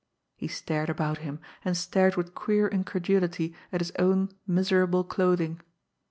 He stared about him, and stared with queer incredulity at his own miserable clothing.